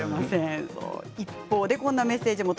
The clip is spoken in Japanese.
一方でこんなメッセージです。